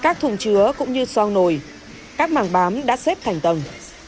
các thùng chứa cũng như soang nồi các màng bám đã xếp thành tầng